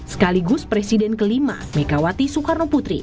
sekaligus presiden ke lima megawati soekarnoputri